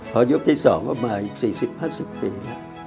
พอยุคที่สองก็มาอีกสี่สิบห้าสิบปีอ่ะ